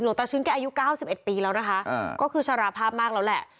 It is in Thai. ตาชื้นแกอายุ๙๑ปีแล้วนะคะก็คือสารภาพมากแล้วแหละ